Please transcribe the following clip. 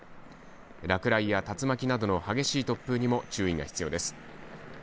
落雷や竜巻などの激しい突風にも注意が必要です。